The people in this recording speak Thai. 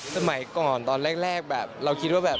สมัยก่อนตอนแรกแบบเราคิดว่าแบบ